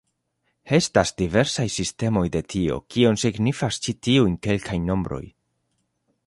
Estas diversaj sistemoj de tio, kion signifas ĉi tiuj kelkaj nombroj.